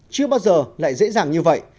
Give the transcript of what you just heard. chưa bao giờ lại dễ dàng như vậy